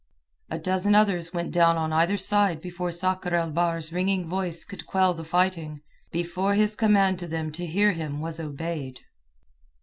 A dozen others went down on either side before Sakr el Bahr's ringing voice could quell the fighting, before his command to them to hear him was obeyed.